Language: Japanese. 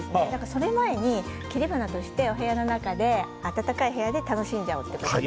その前に切り花としてお部屋の中で暖かい部屋で楽しんじゃおうと。